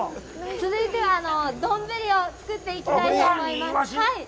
続いては、丼を作っていきたいと思います。